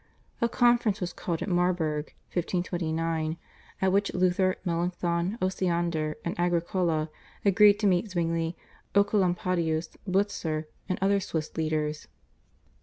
A conference was called at Marburg (1529), at which Luther, Melanchthon, Osiander, and Agricola agreed to meet Zwingli, Oecolampadius, Butzer, and the other Swiss leaders.